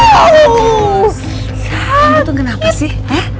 kamu tuh kenapa sih